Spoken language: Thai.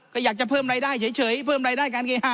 ก็อยากจะเพิ่มรายได้เฉยเพิ่มรายได้การเคหา